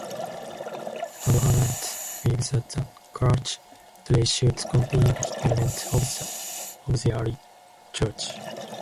Adherents believe that the church today should contain every element of the early church.